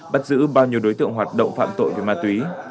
bắt giữ bao nhiêu đối tượng hoạt động phạm tội về ma túy